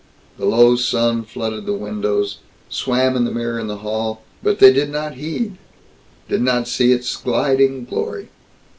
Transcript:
The low sun flooded the windows, swam in the mirror in the hall, but they did not heed, did not see its gliding glory.